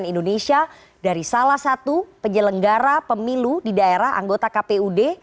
cnn indonesia dari salah satu penyelenggara pemilu di daerah anggota kpud